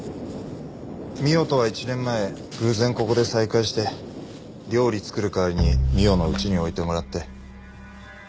美緒とは１年前偶然ここで再会して料理作る代わりに美緒の家に置いてもらって。